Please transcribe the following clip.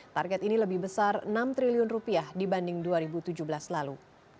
target ini lebih besar enam triliun rupiah dibanding dua ribu tujuh belas lalu